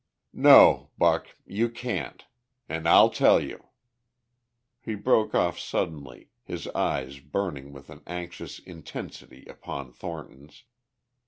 "No, Buck. You can't. An' I'll tell you." He broke off suddenly, his eyes burning with an anxious intensity upon Thornton's.